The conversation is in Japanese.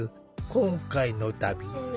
今回の旅。